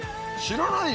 知らない。